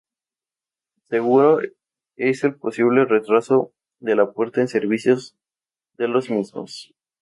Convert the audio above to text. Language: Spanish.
Seguro es el posible retraso de la puesta en servicio de los mismos